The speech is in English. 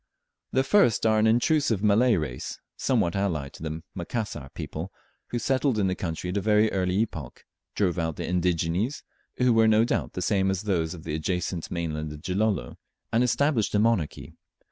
The first are an intrusive Malay race somewhat allied to the Macassar people, who settled in the country at a very early epoch, drove out the indigenes, who were no doubt the same as those of the adjacent mainland of Gilolo, and established a monarchy.